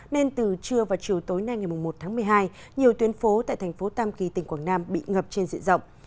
nên từ trưa và chiều tối nay ngày một tháng một mươi hai nhiều tuyến phố tại thành phố tam kỳ tỉnh quảng nam bị ngập trên diện rộng